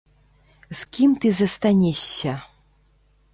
З кім ты застанешся?